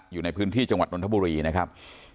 อยู่ในพื้นที่จังหวัดนทบุรีนะครับ